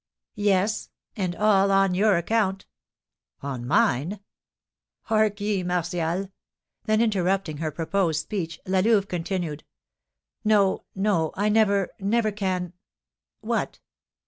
"Yes; and all on your account." "On mine?" "Hark ye, Martial!" Then interrupting her proposed speech, La Louve continued, "No, no; I never, never can " "What?"